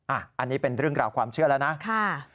อันนี้เป็นเรื่องราวความเชื่อแล้วนะ